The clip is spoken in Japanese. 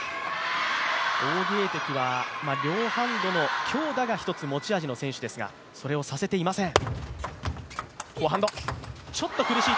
王ゲイ迪は両ハンドの強打が一つ持ち味の選手ですが、それをさせていません。